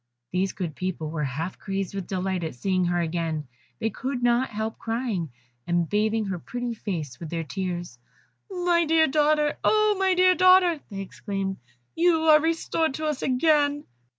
These good people were half crazy with delight at seeing her again; they could not help crying, and bathing her pretty face with their tears. "My dear daughter! my dear child!" they exclaimed, "you are restored to us again."